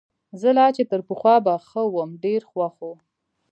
زه لا چي تر پخوا به ښه وم، ډېر خوښ وو.